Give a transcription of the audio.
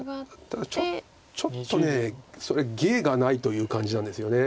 ただちょっとそれ芸がないという感じなんですよね。